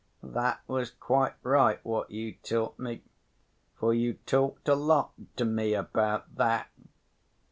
That was quite right what you taught me, for you talked a lot to me about that.